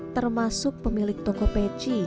termasuk pemilik toko peci